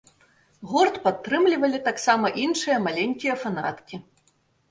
Гурт падтрымлівалі таксама іншыя маленькія фанаткі.